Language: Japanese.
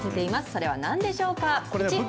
それはなんでしょうか。